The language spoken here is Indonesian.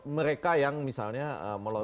mereka yang misalnya melontar